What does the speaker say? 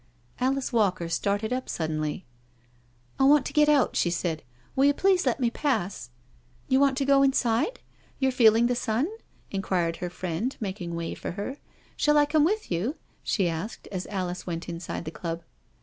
Alice Walker started up suddenly. " I want to get out," she said, " will you please let me pass?" " You want to go inside? You're feeling the sun?" THE PASSING OF THE WOMEN 327 inquired her friend, making way for her. " Shall I come with you?'* she asked, as Alice went inside the Club.